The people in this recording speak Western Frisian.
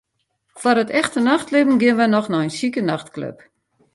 Foar it echte nachtlibben geane wy noch nei in sjike nachtklup.